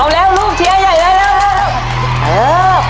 เอาแล้วลูกเชียร์ใหญ่แล้ว